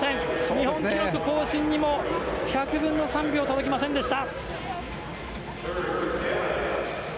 日本記録更新にも１００分の３秒届きませんでした。